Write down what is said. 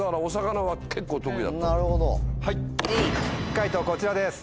解答こちらです。